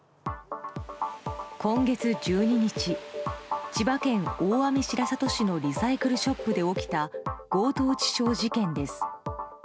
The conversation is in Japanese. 今月１２日、千葉県大網白里市のリサイクルショップで起きた強盗致傷事件です。